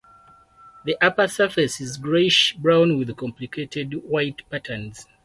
The upper surface is grayish brown with complicated white patterns.